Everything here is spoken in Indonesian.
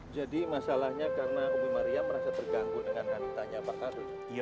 jadi masalahnya karena ubi mariah merasa terganggu dengan wanitanya pak kardus